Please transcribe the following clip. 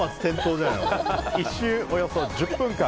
１周およそ１０分間